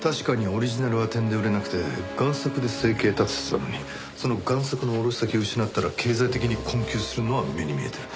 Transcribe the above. オリジナルはてんで売れなくて贋作で生計立ててたのにその贋作の卸先を失ったら経済的に困窮するのは目に見えてる。